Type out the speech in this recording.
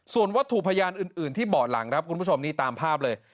ส่วนวัตถุพยานอื่นที่เบาะหลังครับคุณผู้ชมนี่ตามภาพเลย